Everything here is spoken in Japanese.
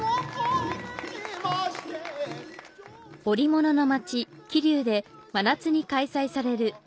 織物の町、桐生で真夏に開催される